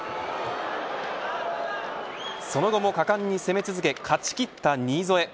その後も果敢に攻め続け勝ちきった新添。